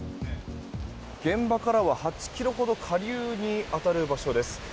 現場からは８ｋｍほど下流に当たる場所です。